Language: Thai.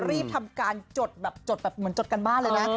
รีบทำการจดแบบจดแบบเหมือนจดการบ้านเลยนะ